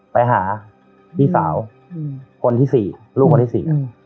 ไปหาพี่สาวอืมคนที่สี่รูปคนที่สี่อืม